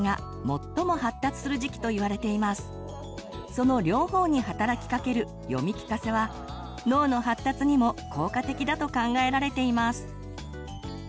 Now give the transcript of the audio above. その両方に働きかける読み聞かせは脳の発達にも効果的だと考えられています。